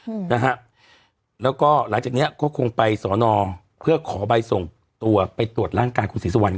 อืมนะฮะแล้วก็หลังจากเนี้ยก็คงไปสอนอเพื่อขอใบส่งตัวไปตรวจร่างกายคุณศรีสุวรร